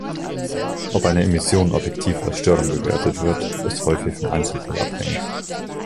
Ob eine Emission objektiv als Störung bewertet wird, ist häufig vom Einzelfall abhängig.